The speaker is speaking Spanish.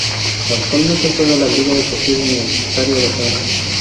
Actualmente juega en Liga Deportiva Universitaria de Cuenca.